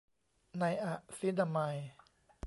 ไนอะซินาไมด์